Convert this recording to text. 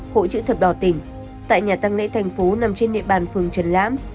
hội chữ thập đỏ tỉnh tại nhà tăng lễ thành phố nằm trên địa bàn phường trần lãm